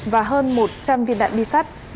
và hơn một trăm linh viên đạn bi sát